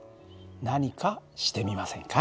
何かしてみませんか？